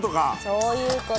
そういうこと。